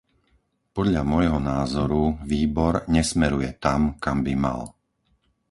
Podľa môjho názoru, Výbor nesmeruje tam, kam by mal.